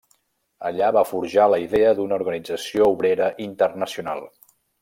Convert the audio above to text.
Allà va forjar la idea d'una organització obrera internacional.